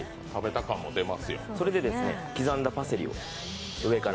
それで、刻んだパセリを上から。